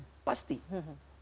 juga akan rentan kepada keputusasaan